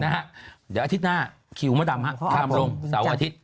เดี๋ยวอาทิตย์หน้าคิวมดดำทามลงเสาร์อาทิตย์